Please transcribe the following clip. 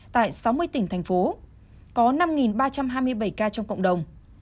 tại sáu mươi tỉnh thành phố có năm ba trăm hai mươi bảy ca trong cộng đồng